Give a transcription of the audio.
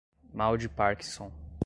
mal de parkinson